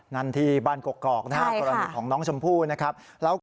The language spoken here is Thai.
นั่นที่บ้านกกอกนะครับกรณีของน้องชมพู่นะครับ